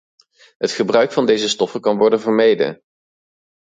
Het gebruik van deze stoffen kan worden vermeden.